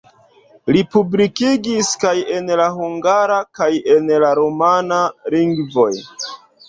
Li publikigis kaj en la hungara kaj en la rumana lingvoj.